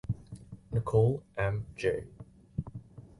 Nicoll, M. J.